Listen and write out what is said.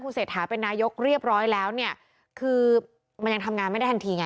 เศรษฐาเป็นนายกเรียบร้อยแล้วเนี่ยคือมันยังทำงานไม่ได้ทันทีไง